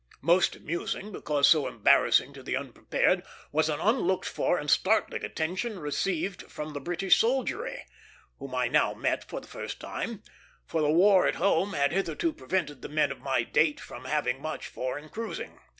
Most amusing, because so embarrassing to the unprepared, was an unlooked for and startling attention received from the British soldiery, whom I now met for the first time: for the war at home had hitherto prevented the men of my date from having much foreign cruising.